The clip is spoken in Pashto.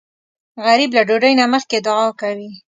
غریب له ډوډۍ نه مخکې دعا کوي